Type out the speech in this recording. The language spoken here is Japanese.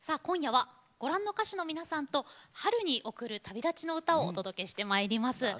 今夜はご覧の歌手の皆さんと春に贈る旅立ちの歌をお届けしてまいります。